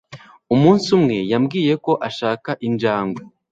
Umunsi umwe yambwiye ko ashaka injangwe